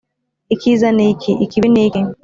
icyiza ni iki? ikibi ni iki?